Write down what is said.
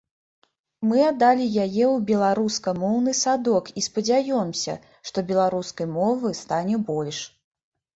Мы аддалі яе ў беларускамоўны садок і спадзяёмся, што беларускай мовы стане больш.